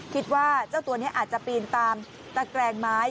คิดว่าเจ้าตัวนี้อาจจะปีนตามตะแกรงไม้